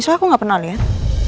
soalnya aku gak pernah lihat